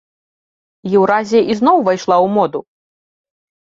Еўразія ізноў увайшла ў моду.